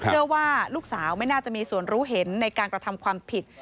เชื่อว่าลูกสาวไม่น่าจะมีส่วนรู้เห็นในการกระทำความผิด